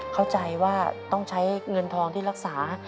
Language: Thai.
เข้าใจว่าต้องใช้เงินทองที่รักษา